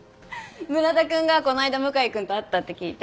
村田君がこの間向井君と会ったって聞いて。